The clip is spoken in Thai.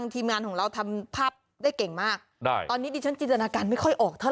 ทีมงานของเราทำภาพได้เก่งมากได้ตอนนี้ดิฉันจินตนาการไม่ค่อยออกเท่า